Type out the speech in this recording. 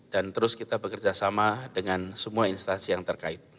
dan terus kita bekerja sama dengan semua instansi yang terkait